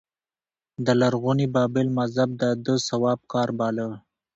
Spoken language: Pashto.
د لرغوني بابل مذهب دا د ثواب کار باله